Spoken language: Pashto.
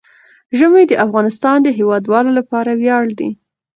ژمی د افغانستان د هیوادوالو لپاره ویاړ دی.